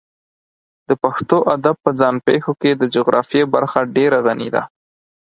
د پښتو ادب په ځان پېښو کې د جغرافیې برخه ډېره غني ده.